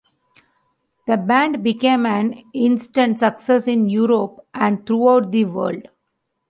The band became an instant success in Europe and throughout the world.